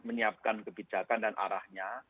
menyiapkan kebijakan dan arahnya